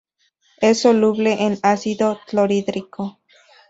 Es soluble en ácido clorhídrico.